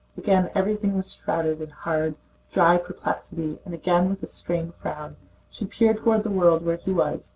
Again everything was shrouded in hard, dry perplexity, and again with a strained frown she peered toward the world where he was.